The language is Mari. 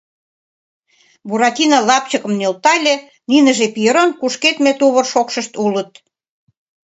Буратино лапчыкым нӧлтале, — ниныже Пьерон кушкедме тувыр шокшышт улыт.